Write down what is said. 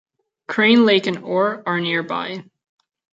Crane Lake and Orr are nearby.